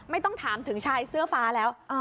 ไม่ต้องถามถึงชายเสื้อฟ้าแล้ว